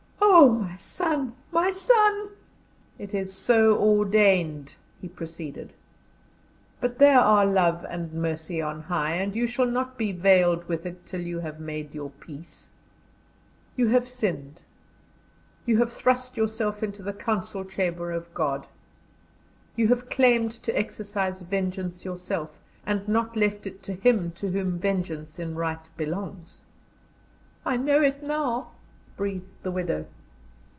"Oh! my son, my son!" "It is so ordained," he proceeded; "but there are Love and Mercy on high, and you shall not be veiled with it till you have made your peace. You have sinned. You have thrust yourself into the council chamber of God. You have claimed to exercise vengeance yourself, and not left it to Him to whom vengeance in right belongs." "I know it now," breathed the widow.